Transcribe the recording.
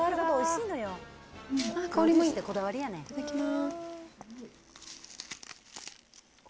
いただきます。